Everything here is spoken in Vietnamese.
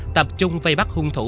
tập trung vây bắt hung thủ